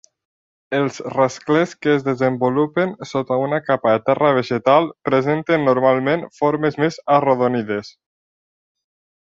Els rasclers que es desenvolupen sota una capa de terra vegetal presenten normalment formes més arrodonides.